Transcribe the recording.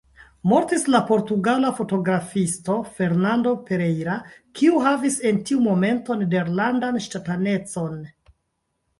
Mortis la portugala fotografisto Fernando Pereira, kiu havis en tiu momento nederlandan ŝtatanecon.